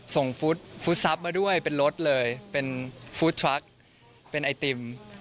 ฟุตซับมาด้วยเป็นรถเลยเป็นฟู้ดทรัคเป็นไอติม